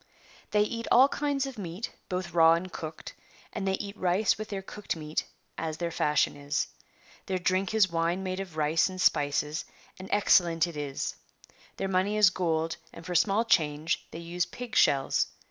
They eat all kinds of meat, both raw and cooked, and they eat rice with their cooked meat as their fashion is. Their drink is wine made of rice and spices, and excellent it is. "^riieir money is gold, and for small change they use pig shells.